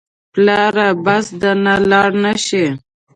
پلاره بس درنه لاړ نه شې.